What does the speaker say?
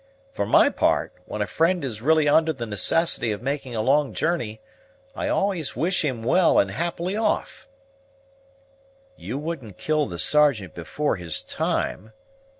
For my part, when a friend is really under the necessity of making a long journey, I always wish him well and happily off." "You wouldn't kill the Sergeant before his time?"